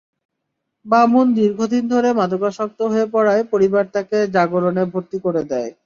মামুন দীর্ঘদিন ধরে মাদকাসক্ত হয়ে পড়ায় পরিবার তাঁকে জাগরণে ভর্তি করে দেয়।